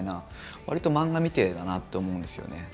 わりと漫画みてえだなって思うんですよね。